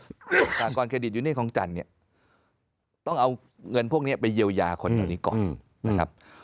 อุปกรณ์เครดิตยูนี่ของจันทร์เนี่ยต้องเอาเงินพวกนี้ไปเยียวยาคนเหล่านี้ก่อนนะครับ